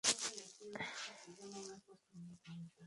La reina Juliana dictó un decreto nombrándolo profesor vitalicio.